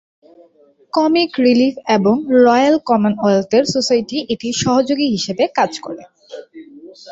Comic Relief এবং Royal Commonwealth Society এটির সহযোগী হিসাবে কাজ করে।